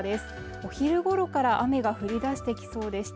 お昼頃から雨が降り出してきそうでして